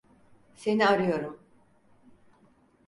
Seni arıyorum.